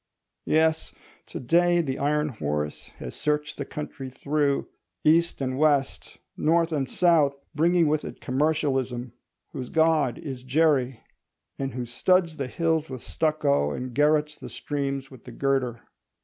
Yes: to day the iron horse has searched the country through—east and west, north and south—bringing with it Commercialism, whose god is Jerry, and who studs the hills with stucco and garrotes the streams with the girder.